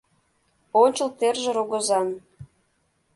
Ончыл терже рогозан.